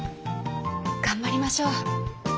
頑張りましょう。